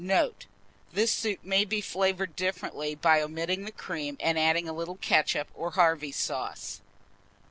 Note. This soup may be flavoured differently by omitting the cream, and adding a little ketchup or Harvey's sauce.